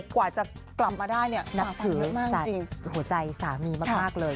กว่าจะกลับมาได้นับถือหัวใจสามีมากเลย